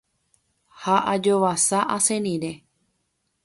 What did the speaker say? ha ajovasa asẽ rire